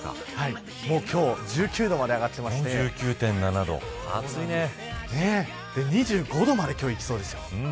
今日は１９度まで上がっていまして２５度まで今日はいきそうです。